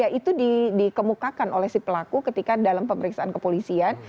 ya itu dikemukakan oleh si pelaku ketika dalam pemeriksaan kepolisian